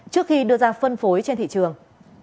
trước khi đưa ra phân phối trên thị trường